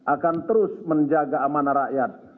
akan terus menjaga amanah rakyat